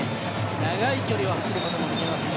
長い距離を走ることもできますし。